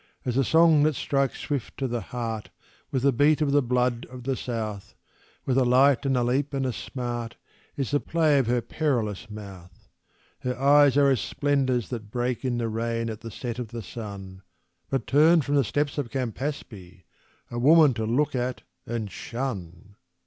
As a song that strikes swift to the heart with the beat of the blood of the South, And a light and a leap and a smart, is the play of her perilous mouth. Her eyes are as splendours that break in the rain at the set of the sun, But turn from the steps of Campaspe a Woman to look at and shun!